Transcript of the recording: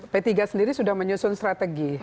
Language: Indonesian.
p tiga sendiri sudah menyusun strategi